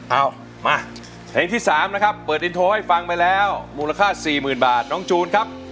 เอ้ามาจะเปิดให้ฟังไปแล้วมูลค่าสี่หมื่นบาทน้องจูนครับ